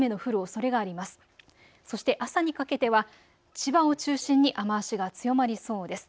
そして朝にかけては千葉を中心に雨足が強まりそうです。